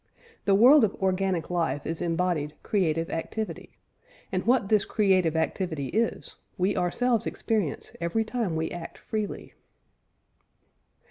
The world of organic life is embodied "creative activity," and what this "creative activity" is, we ourselves experience every time we act freely.